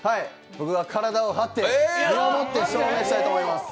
僕が体を張って、身をもって証明したいと思います。